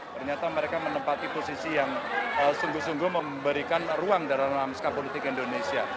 ternyata mereka menempati posisi yang sungguh sungguh memberikan ruang dalam namska politik indonesia